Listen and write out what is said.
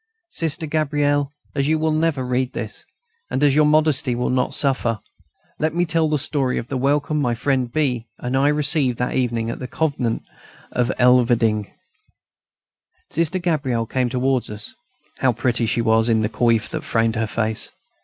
Sister Gabrielle, as you will never read this, and as your modesty will not suffer, let me tell the story of the welcome my friend B. and I received that evening at the Convent of Elverdinghe. Sister Gabrielle came towards us. How pretty she was, in the coif that framed her face!